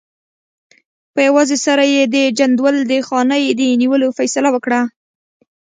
په یوازې سر یې د جندول د خانۍ د نیولو فیصله وکړه.